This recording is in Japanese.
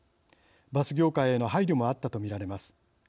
バス業界への配慮もあったと見られます。